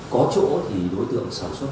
có chỗ thì đối tượng sản xuất